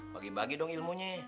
bagi bagi dong ilmunya